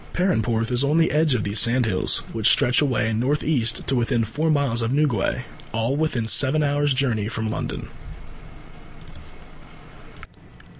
Perranporth is on the edge of these sandhills, which stretch away north east to within four miles of Newquay all within seven hours' journey from London.